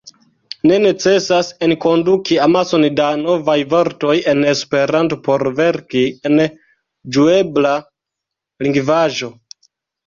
Ne necesas enkonduki amason da novaj vortoj en Esperanto por verki en ĝuebla lingvaĵo.